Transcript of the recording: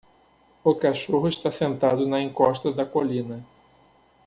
O cachorro está sentado na encosta da colina.